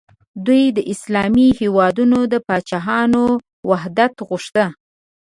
دوی د اسلامي هیوادونو د پاچاهانو وحدت غوښت.